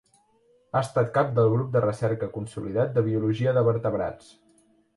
Ha estat cap del Grup de Recerca consolidat de Biologia de Vertebrats.